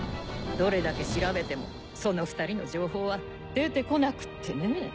どれだけ調べてもその２人の情報は出てこなくってねぇ。